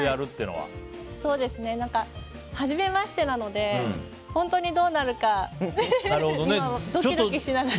はじめましてなので本当にどうなるかドキドキしながら。